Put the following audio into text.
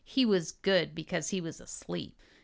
He was good because he was asleep!